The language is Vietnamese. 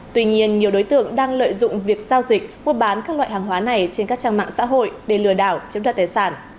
tuy nhiên nhiều đối tượng đang lợi dụng việc giao dịch mua bán các loại hàng hóa này trên các trang mạng xã hội để lừa đảo chiếm đoạt tài sản